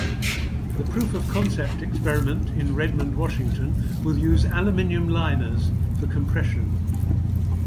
The proof of concept experiment in Redmond, Washington, will use aluminum liners for compression.